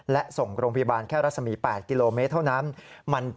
และส่งโรงพยาบาลแค่รัศมี๘กิโลเมตรเท่านั้น